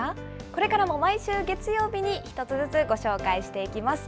これからも毎週月曜日に１つずつご紹介していきます。